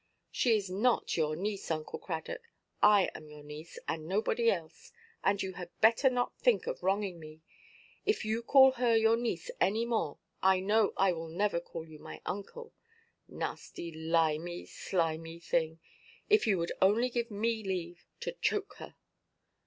"She is not your niece, Uncle Cradock. I am your niece, and nobody else; and you had better not think of wronging me. If you call her your niece any more, I know I will never call you my uncle. Nasty limy slimy thing! If you would only give me leave to choke her!"